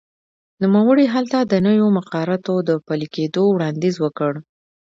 نوموړي هلته د نویو مقرراتو د پلي کېدو وړاندیز وکړ.